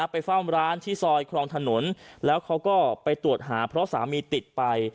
ไปเฝ้าร้านที่ซอยครองถนนแล้วเขาก็ไปตรวจหาเพราะสามีติดไป